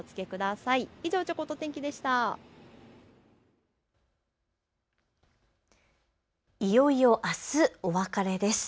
いよいよあす、お別れです。